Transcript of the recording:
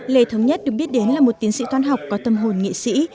lê thống nhất được biết đến là một tiến sĩ toán học có tâm hồn nghệ sĩ